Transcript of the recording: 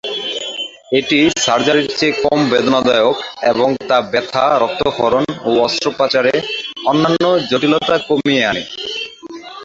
এটি সার্জারির চেয়ে কম বেদনাদায়ক এবং তা ব্যাথা, রক্তক্ষরণ এবং অস্ত্রোপচারের অন্যান্য জটিলতা কমিয়ে আনে।